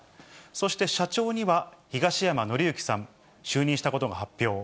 そして社長には東山紀之さん、就任したことが発表。